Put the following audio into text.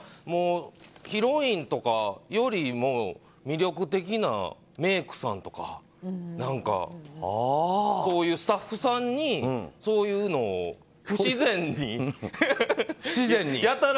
ヒロインとかよりも魅力的なメイクさんとかスタッフさんにそういうのを不自然にやたら